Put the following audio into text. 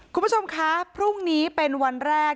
คุณผู้ชมคะพรุ่งนี้เป็นวันแรก